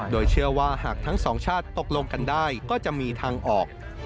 โดยเชื่อว่าหากทั้งสองชาติตกลงกันได้ก็จะมีทางออก